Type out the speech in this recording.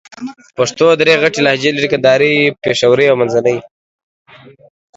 پښتو درې غټ لهجې لرې: کندهارۍ، پېښورۍ او منځني.